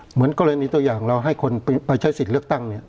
เหมือนกรณีตัวอย่างเราให้คนไปใช้สิทธิ์เลือกตั้งเนี่ย